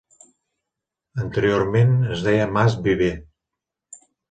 Anteriorment es deia Mas Viver.